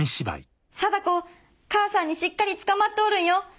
「禎子母さんにしっかりつかまっておるんよ！」。